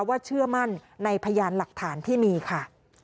เชื่อมั่นในพยานหลักฐานที่มีค่ะ